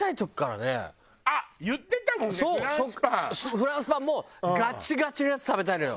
フランスパンもガッチガチのやつ食べたいのよ。